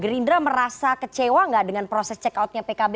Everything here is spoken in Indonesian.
gerindra merasa kecewa enggak dengan proses check out nya pkb